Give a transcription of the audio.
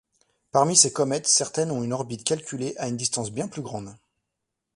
Parmi ces comètes certaines ont une orbite calculée à une distance bien plus grande.